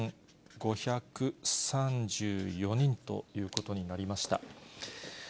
５５３４人ということになりました。